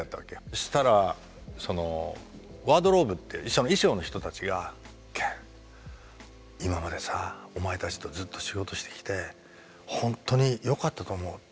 そしたらワードローブって衣装の人たちが「ケン今までさお前たちとずっと仕事してきてほんとによかったと思う」って。